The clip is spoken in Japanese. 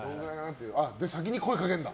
先に声掛けるんだ。